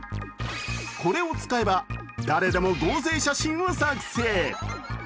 これを使えば、誰でも合成写真を作成。